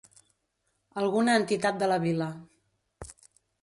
Alguna entitat de la vila.